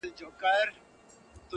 o لکه ازاره، خپله کونه ئې نظر کړه!